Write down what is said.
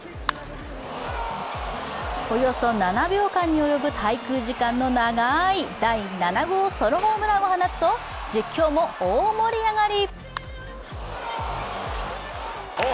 およそ７秒間に及ぶ滞空時間の長い第７号ソロホームランを放つと実況も大盛り上がり。